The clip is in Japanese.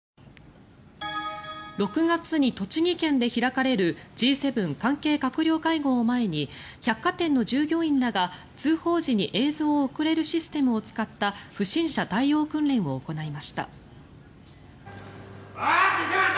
６月に栃木県で開かれるＧ７関係閣僚会合を前に百貨店の従業員らが通報時に映像を送れるシステムを使った不審者対応訓練を行いました。